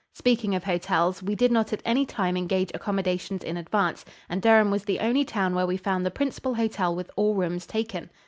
Speaking of hotels, we did not at any time engage accommodations in advance, and Durham was the only town where we found the principal hotel with all rooms taken.